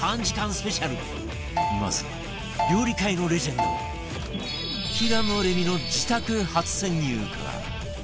スペシャルまずは料理界のレジェンド平野レミの自宅初潜入から